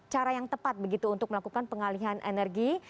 cara yang tepat begitu untuk melakukan pengalihan energi